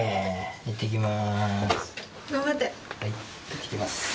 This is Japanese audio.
行ってきます